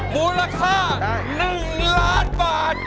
บูราคา๑ล้านบาท